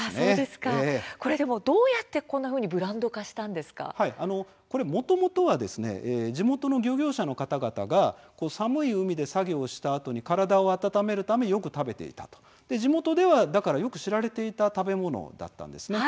どうやって、こんなふうにもともとは地元の漁業者の方々が寒い海で作業したあとに体を温めるためによく食べていた地元では、よく知られていた食べ物だったんです。